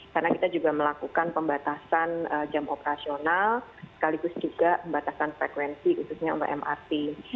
karena kita juga melakukan pembatasan jam operasional sekaligus juga pembatasan frekuensi khususnya untuk mrt